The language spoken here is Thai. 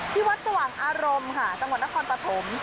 ที่วัดสว่างอารมณ์ค่ะจังหวัดนครปฐม